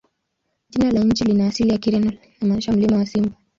Jina la nchi lina asili ya Kireno na linamaanisha "Mlima wa Simba".